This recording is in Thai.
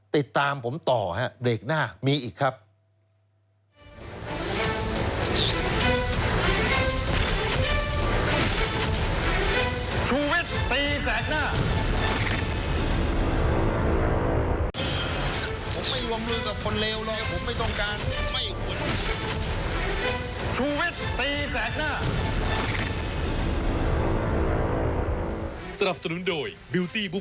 ไปตามผมต่อเด็กหน้ามีอีกครับ